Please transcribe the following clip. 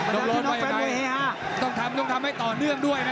น้องโรสไว้ไหนต้องทำให้ต่อเนื่องด้วยนะ